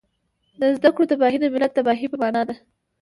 د زده کړو تباهي د ملت د تباهۍ په مانا ده